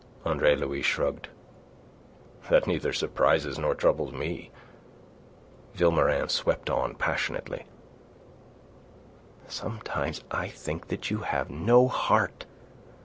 Andre Louis shrugged. "That neither surprises nor troubles me." M. de Vilmorin swept on, passionately: "Sometimes I think that you have no heart.